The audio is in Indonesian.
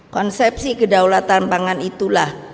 konsepsi kedaulatan pangan itulah